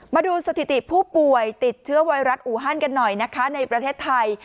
มาดูสถิติผู้ป่วยติดเชื้อไวรัสอูฮันกันหน่อยนะคะในประเทศไทย